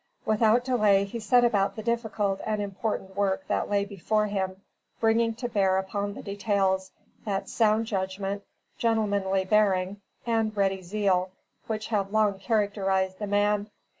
Without delay he set about the difficult and important work that lay before him, bringing to bear upon the details, that sound judgment, gentlemanly bearing and ready zeal, which have long characterized the man.